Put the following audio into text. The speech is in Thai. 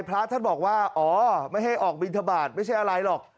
พระท่านบอกว่าอ๋อไม่ให้ออกบินทบาทไม่ใช่อะไรหรอก